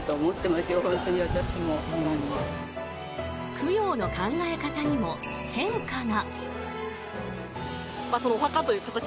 供養の考え方にも変化が。